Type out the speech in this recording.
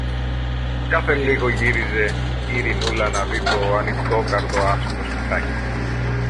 Κάθε λίγο γύριζε η Ειρηνούλα να δει το ανοιχτόκαρδο άσπρο σπιτάκι